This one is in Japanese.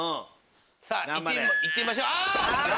さぁ行ってみましょう。